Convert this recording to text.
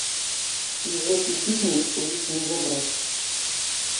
І гэты бізнес у іх не забраць!